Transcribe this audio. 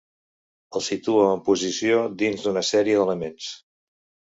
El situa en posició dins d'una sèrie d'elements.